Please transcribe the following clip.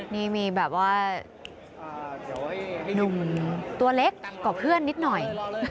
นี่มีแบบว่าหนุ่มตัวเล็กกว่าเพื่อนนิดหน่อย